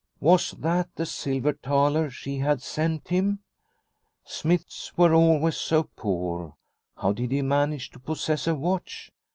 Was that the silver thaler she had sent him ? Smiths were always so poor. How did he manage to possess a watch